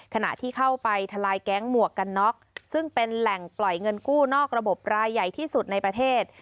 ขณะที่เข้าไปทลายแก๊งหมวกกันน็อกซึ่งเป็นแหล่งปล่อยเงินกู้นอกระบบรายใหญ่ที่สุดในประเทศ